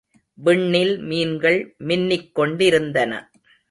விண்ணில் மீன்கள் மின்னிக்கொண்டிருந்தன.